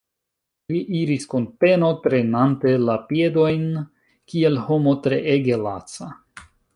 Li iris kun peno, trenante la piedojn, kiel homo treege laca.